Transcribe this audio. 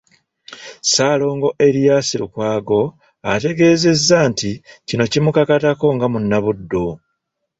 Ssaalongo Erias Lukwago ategeezezza nti kino kimukakatako nga munnabuddu